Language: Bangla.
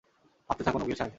ভাবতে থাকুন, উকিল সাহেব।